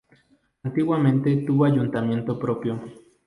Antiguamente tuvo ayuntamiento propio.